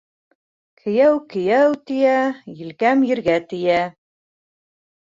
«Кейәү-кейәү» тиә, елкәм ергә тейә.